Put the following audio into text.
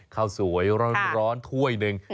ข้าวสวยร้อนถ้วยหนึ่ง